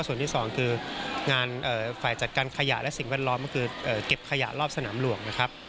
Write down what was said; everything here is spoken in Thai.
ส่วนที่สองคืองานฝ่ายจัดการขยะและสิ่งแวดล้อมก็คือเก็บขยะรอบสนามหลวงนะครับ